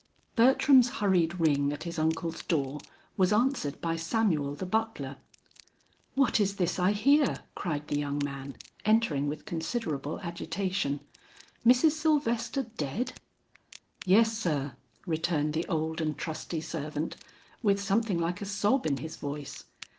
Bertram's hurried ring at his uncle's door was answered by Samuel the butler. "What is this I hear?" cried the young man, entering with considerable agitation, "Mrs. Sylvester dead?" "Yes sir," returned the old and trusty servant, with something like a sob in his voice.